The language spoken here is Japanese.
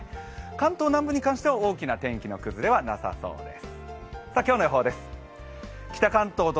関東南部に関しては大きな天気の崩れはなさそうです。